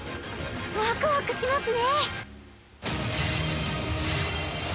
ワクワクしますね！